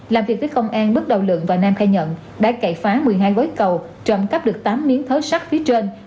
làm việc với công an bước đầu lượng và nam khai nhận đã cậy phá một mươi hai gối cầu trộn cắp được tám miếng thớ sắt phía trên